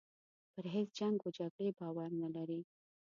پر هیچ جنګ و جګړې باور نه لري.